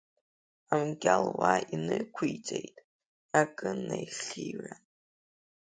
Амгьал уа инықәиҵеит акы нахиҩан…